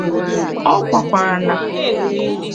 Ọ kọwakwara na